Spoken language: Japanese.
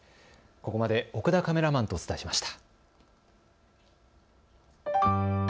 ここまで奥田カメラマンとお伝えしました。